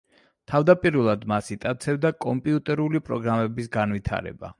თავდაპირველად მას იტაცებდა კომპიუტერული პროგრამების განვითარება.